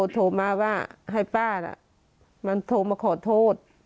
โทรมาว่าให้ป้าน่ะมันโทรมาขอโทษ